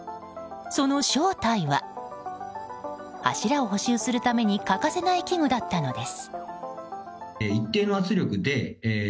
その正体は、柱を補修するために欠かせない器具だったのです。